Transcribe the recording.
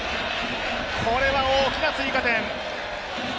これは大きな追加点。